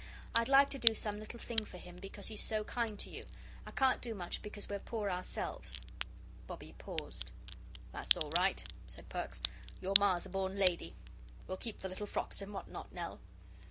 I'd like to do some little thing for him, because he's so kind to you. I can't do much because we're poor ourselves.'" Bobbie paused. "That's all right," said Perks, "your Ma's a born lady. We'll keep the little frocks, and what not, Nell."